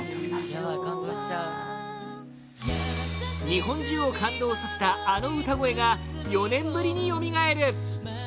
日本中を感動させたあの歌声が４年ぶりによみがえる！